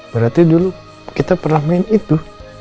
berarti dulu kita pernah main itu